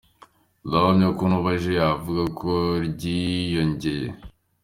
Ndahamya ko n’ubu aje yavuga ko ryiyongeye.